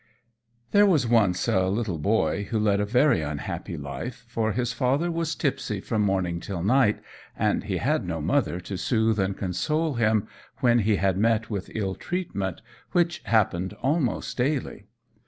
_ There was once a little boy, who led a very unhappy life, for his father was tipsy from morning till night, and he had no mother to soothe and console him when he had met with ill treatment, which happened almost daily.